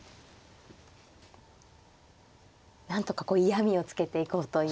なんとか嫌みをつけていこうという。